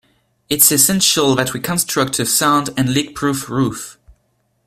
It's essential that we construct a sound and leakproof roof.